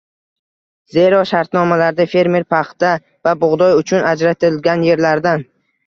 zero, shartnomalarda fermer paxta va bug‘doy uchun ajratilgan yerlardan